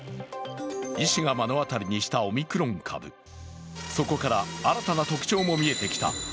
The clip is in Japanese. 医師が目の当たりにしたオミクロン株、そこから新たな特徴も見えてきた。